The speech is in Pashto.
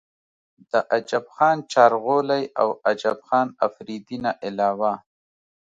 د عجب خان چارغولۍ او عجب خان افريدي نه علاوه